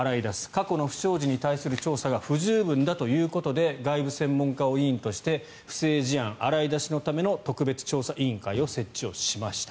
過去の不祥事に対する調査が不十分だということで外部専門家を委員として不正事案洗い出しのための特別調査委員会を設置をしました。